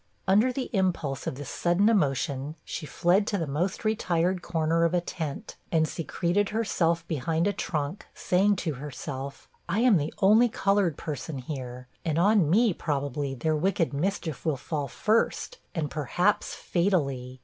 Under the impulse of this sudden emotion, she fled to the most retired corner of a tent, and secreted herself behind a trunk. saying to herself, 'I am the only colored person here, and on me, probably, their wicked mischief will fall first, and perhaps fatally.'